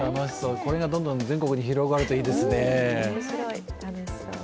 これがどんどん全国に広がるといいですね。